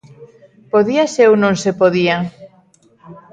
¿Podíase ou non se podía?